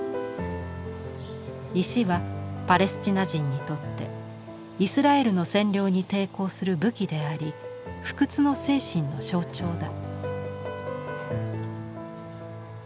石はパレスチナ人にとってイスラエルの占領に抵抗する武器であり不屈の精神の象徴だ。